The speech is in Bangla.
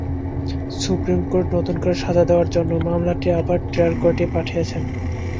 সুপ্রিম কোর্ট নতুন করে সাজা দেওয়ার জন্য মামলাটিকে আবার ট্রায়াল কোর্টেই পাঠিয়েছেন।